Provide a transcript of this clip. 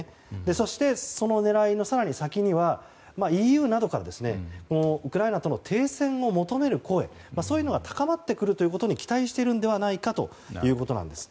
そして、その狙いの更に先にはＥＵなどからウクライナとの停戦を求める声が高まってくることを期待しているのではないかということです。